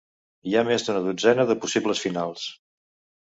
Hi ha més d'una dotzena de possibles finals.